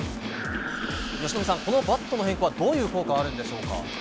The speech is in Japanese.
由伸さん、このバットの変更は、どういう効果があるんでしょうか。